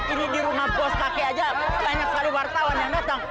ini di rumah puas kakek aja banyak sekali wartawan yang datang